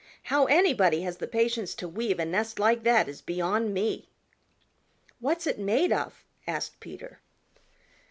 How anybody has the patience to weave a nest like that is beyond me." "What's it made of?" asked Peter.